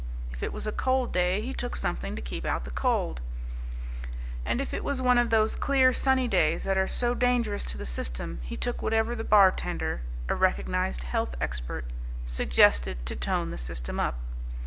If it was a cold day he took something to keep out the cold, and if it was one of those clear, sunny days that are so dangerous to the system he took whatever the bartender (a recognized health expert) suggested to tone the system up.